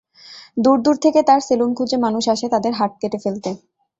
দূর দূর থেকে তার সেলুন খুঁজে মানুষ আসে তাদের হাত কেটে ফেলতে।